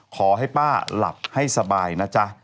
ขอให้ป้าหลับให้สบายนะจ๊ะ